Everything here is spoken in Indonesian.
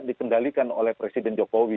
dikendalikan oleh presiden jokowi